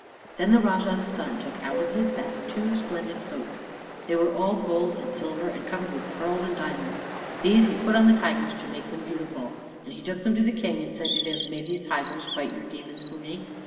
Then the Rajah's son took out of his bag two splendid coats. They were all gold and silver, and covered with pearls and diamonds. These he put on the tigers to make them beautiful, and he took them to the King, and said to him, "May these tigers fight your demons for me?"